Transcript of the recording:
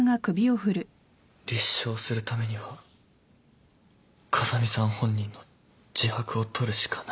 立証するためには風見さん本人の自白を取るしかない。